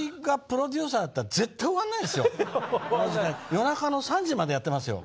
夜中の３時までやってますよ。